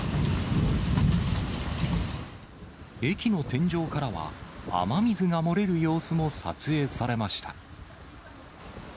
駅の天井からは、雨水が漏れる様子も撮影されました。